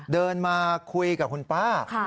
เดินมาคุยกับคุณป้า